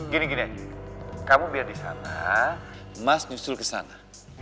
gini gini aja kamu biar di sana mas nyusul ke sana